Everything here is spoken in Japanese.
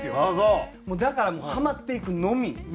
もうだからハマっていくのみ。